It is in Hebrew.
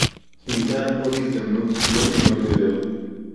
ניתן עוד הזדמנות לא לבנות גדר